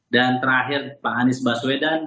dan terakhir pak anies baswedan